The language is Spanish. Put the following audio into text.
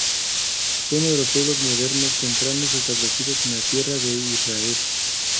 Fue uno de los pueblos modernos tempranos establecidos en la Tierra de Israel.